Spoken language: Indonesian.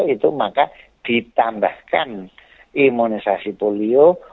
itu maka ditambahkan imunisasi polio